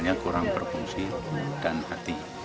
semuanya kurang berfungsi dan hati